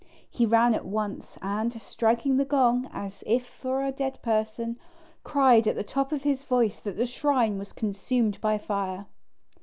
He ran at once, and, striking the gong as if for a dead person, cried at the top of his voice that the shrine was consumed by fire.